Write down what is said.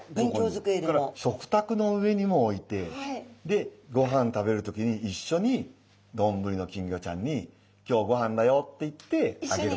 それから食卓の上にも置いてごはん食べる時に一緒にどんぶりの金魚ちゃんに「今日ごはんだよ」って言ってあげることもできる。